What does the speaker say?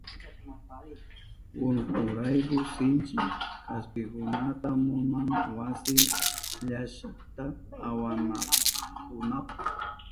Urkunrayku sinchi kaspikunata munan wasi llashata awantanankunapa.